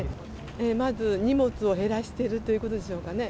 まず荷物を減らしてるということでしょうかね。